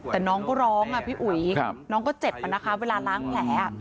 แต่น้องก็ร้องพี่อุ๋ยน้องก็เจ็บอะนะคะเวลาล้างแผล